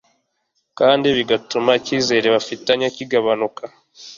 kandi bigatuma icyizere bafitanye kigabanuka